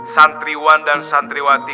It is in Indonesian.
santriwan dan santriwati